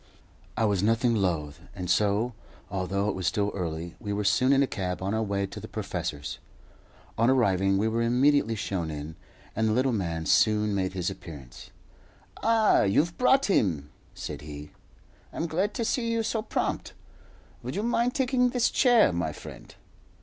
I was nothing loth, and so, although it was still early, we were soon in a cab on our way to the professor's. On arriving, we were immediately shown in, and the little man soon made his appearance. "Ah! you've brought him?" said he. "I'm glad to see you so prompt. Would you mind taking this chair, my friend?"